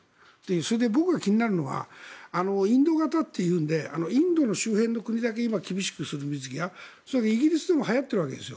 それで僕が気になるのはインド型というのでインドの周辺の国だけ今、水際を厳しくするそれがイギリスでもはやっているわけですよ。